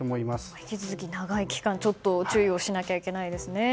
引き続き長い期間ちょっと注意をしなきゃいけないですね。